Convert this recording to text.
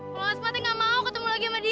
kalo asma tuh nggak mau ketemu lagi sama dia